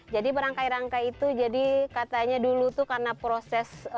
jadi berangkai rangkai itu katanya dulu karena proses